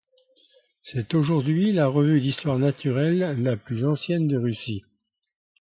C'est aujourd'hui la revue d'histoire naturelle la plus ancienne de Russie.